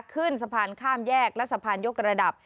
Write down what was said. ขึ้นสะพานข้ามแยกและสะพานยกระดับ